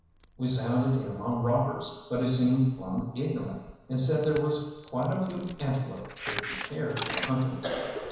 We sounded him on robbers, but he seemed plumb ignorant, and said there was quite a few antelope if we cared for hunting.